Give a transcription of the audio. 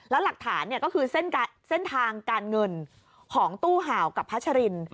แล้วหลักฐานก็คือเส้นทางการเงินของตู้ห่าวกับพัชริน